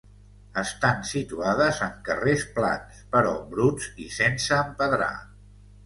Estan situades en carrers plans, però bruts i sense empedrar.